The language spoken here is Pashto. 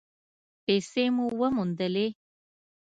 پیسې مو وموندلې؟